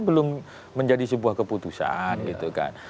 belum menjadi sebuah keputusan gitu kan